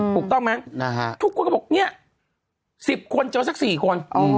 ถูกต้องไหมทุกคนก็บอกเนี่ย๑๐คนเจอสัก๔คน